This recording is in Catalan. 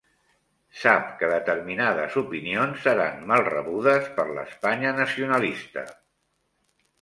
Sap que determinades opinions seran mal rebudes per l'Espanya nacionalista.